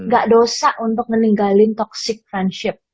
gak dosa untuk meninggalin toksik